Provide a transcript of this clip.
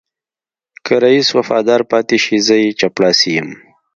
که رئيس وفادار پاتې شي زه يې چپړاسی یم.